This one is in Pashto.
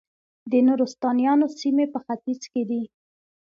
د نورستانیانو سیمې په ختیځ کې دي